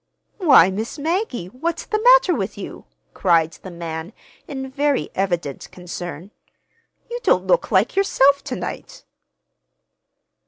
"Why, Miss Maggie, what's the matter with you?" cried the man, in very evident concern. "You don't look like yourself to night!"